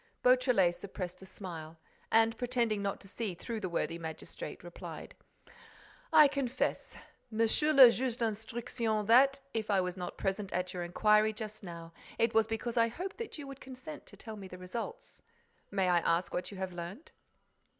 Beautrelet suppressed a smile and, pretending not to see through the worthy magistrate, replied: "I confess. Monsieur le Juge d'Instruction, that, if I was not present at your inquiry just now, it was because I hoped that you would consent to tell me the results. May I ask what you have learned?"